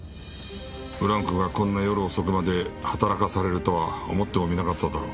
ブランクがこんな夜遅くまで働かされるとは思ってもみなかっただろ。